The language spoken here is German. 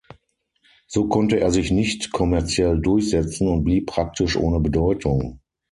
So konnte er sich nicht kommerziell durchsetzen und blieb praktisch ohne Bedeutung.